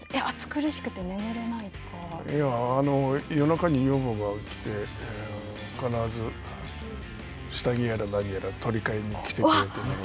いや、夜中に女房が起きて、必ず下着やら何やらを取り替えに来てくれてね。